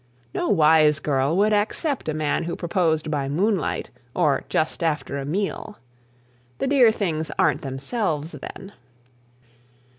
No wise girl would accept a man who proposed by moonlight or just after a meal. The dear things aren't themselves then.